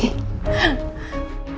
oh ini dia